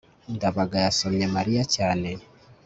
ndabaga yasomye mariya cyane